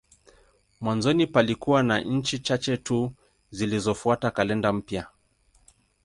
Mwanzoni palikuwa na nchi chache tu zilizofuata kalenda mpya.